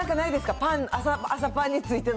パン、朝パンについての。